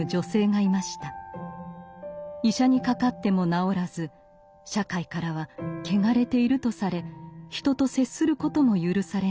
医者にかかっても治らず社会からは「けがれている」とされ人と接することも許されない。